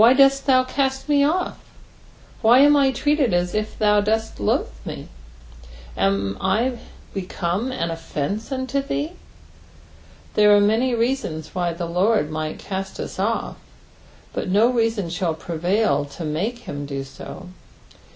"Why dott thou eatt me off?" Wby am I treated as if thou didst loathe me t Am I become an offence unto tbee ? There are many reasons why the Lord might cast US off, but no reason shall prevail to make him do so.